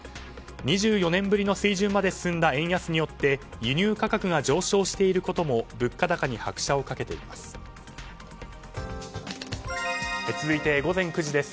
２４年ぶりの水準まで進んだ円安によって輸入価格が上昇していることも物価高に拍車を掛けています。